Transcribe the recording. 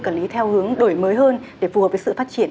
quản lý theo hướng đổi mới hơn để phù hợp với sự phát triển